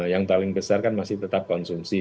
yang paling besar kan masih tetap konsumsi